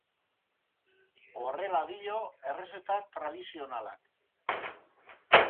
Horrela dio errezeta tradizionalak.